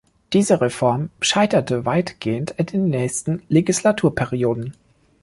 Diese Reform scheiterte weitgehend in den nächsten Legislaturperioden.